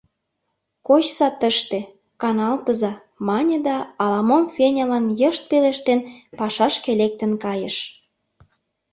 — Кочса тыште, каналтыза... — мане да, ала-мом Фенялан йышт пелештен, пашашке лектын кайыш.